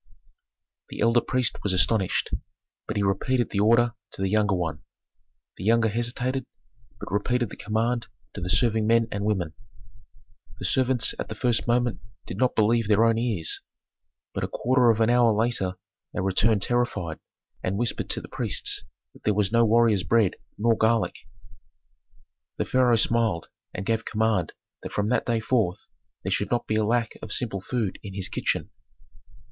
The elder priest was astonished, but he repeated the order to the younger one. The younger hesitated, but repeated the command to the serving men and women. The servants at the first moment did not believe their own ears, but a quarter of an hour later they returned terrified, and whispered to the priests that there was no warriors' bread nor garlic. The pharaoh smiled and gave command that from that day forth there should not be a lack of simple food in his kitchen.